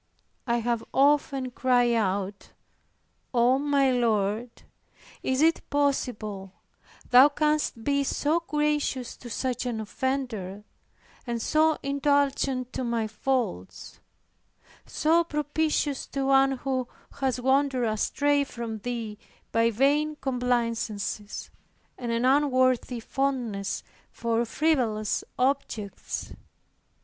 I have often cried out, "O my Lord! is it possible thou canst be so gracious to such an offender, and so indulgent to my faults; so propitious to one who has wandered astray from Thee, by vain complaisances, and an unworthy fondness for frivolous objects?